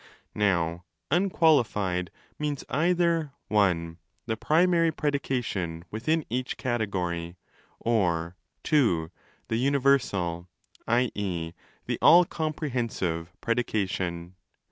Now ' unqualified' means either (i) the primary predica tion within each Category, or (ii) the universal, i.e. the all comprehensive, predication.